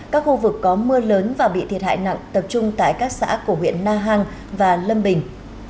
các khu vực có mưa lớn và bị thiệt hại nặng tập trung tại các xã của huyện na hàng và lâm bình